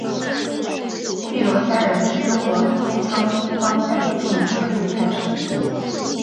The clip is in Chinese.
碧螺虾仁是中国苏州苏帮菜的著名传统菜式。